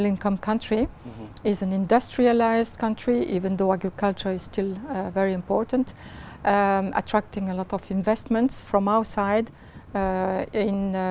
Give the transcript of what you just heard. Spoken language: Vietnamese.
nhưng cũng từ việt nam đến